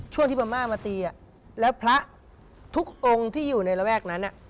ช่วงที่พม่ามาตีแล้วพระทุกองค์ที่อยู่ในระแวกนั้น